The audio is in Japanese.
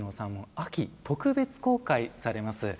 秋、特別公開されます。